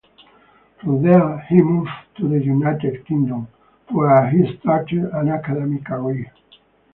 From there, he moved to the United Kingdom, where he started an academic career.